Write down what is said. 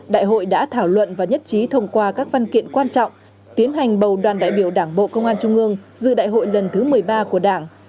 đại hội đã thảo luận và nhất trí thông qua các văn kiện quan trọng tiến hành bầu đoàn đại biểu đảng bộ công an trung ương dự đại hội lần thứ một mươi ba của đảng